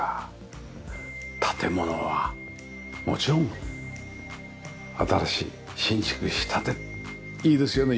建物はもちろん新しい新築したていいですよね